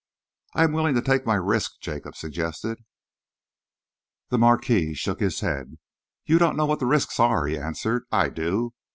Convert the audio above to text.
"I am willing to take my risk," Jacob suggested. The Marquis shook his head. "You do not know what the risks are," he answered. "I do.